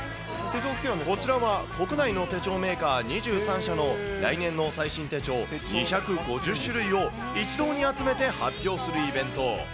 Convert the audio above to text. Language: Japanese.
こちらは国内の手帳メーカー２３社の来年の最新手帳、２５０種類を一堂に集めて発表するイベント。